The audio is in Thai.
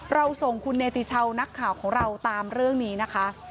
เราส่งคุณเนติชาวนักข่าวของเราตามเรื่องนี้นะคะ